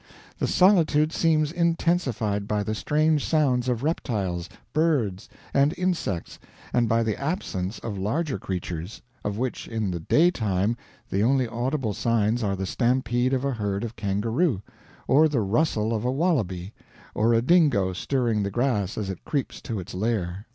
"The solitude seems intensified by the strange sounds of reptiles, birds, and insects, and by the absence of larger creatures; of which in the day time, the only audible signs are the stampede of a herd of kangaroo, or the rustle of a wallabi, or a dingo stirring the grass as it creeps to its lair.